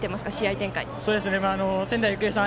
仙台育英さん